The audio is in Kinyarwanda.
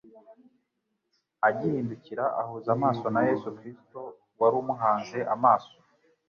agihindukira ahuza amaso na Yesu Kristo wari umuhanze amaso.